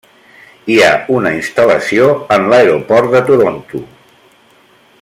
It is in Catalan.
Hi ha una instal·lació en l'Aeroport de Toronto.